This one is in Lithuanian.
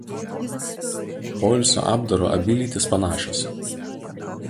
Poilsio apdaru abi lytys panašios.